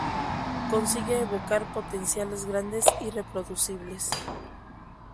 Consigue evocar potenciales grandes y reproducibles.